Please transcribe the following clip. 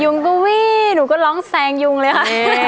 งก็วี่หนูก็ร้องแซงยุงเลยค่ะ